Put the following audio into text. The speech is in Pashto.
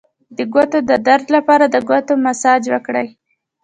د ګوتو د درد لپاره د ګوتو مساج وکړئ